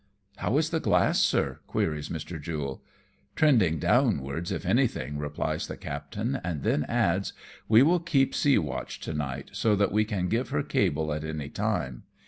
" How is the glass, sir ?" queries Mr. Jule. "Trending downwards if anything," replies the cap tain, and then adds, " We will keep sea watch to night, so that we can give her cable at any time.